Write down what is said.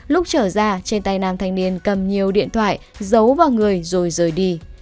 lúc trở ra trên tay nam thanh niên cầm nhiều điện thoại giấu vào người rồi rời đi